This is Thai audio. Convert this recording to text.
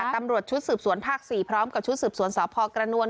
ตำรวจชุดสืบสวนภาค๔พร้อมกับชุดสืบสวนสพกระนวล